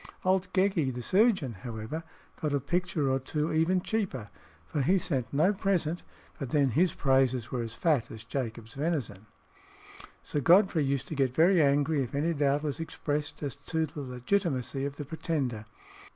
Old Geckie, the surgeon, however, got a picture or two even cheaper, for he sent no present, but then his praises were as fat as Jacob's venison. Sir Godfrey used to get very angry if any doubt was expressed as to the legitimacy of the Pretender.